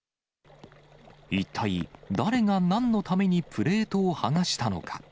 一体誰がなんのためにプレートを剥がしたのか。